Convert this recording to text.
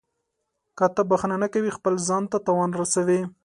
• که ته بښنه نه کوې، خپل ځان ته تاوان رسوې.